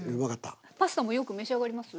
パスタもよく召し上がります？